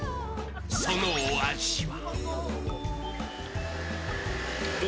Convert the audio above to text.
そのお味は？